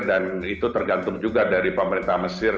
dan itu tergantung juga dari pemerintah mesir